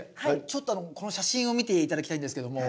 ちょっとこの写真を見て頂きたいんですけども。